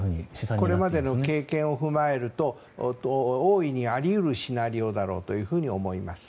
これまでの経験を踏まえると大いにあり得るシナリオだろうと思います。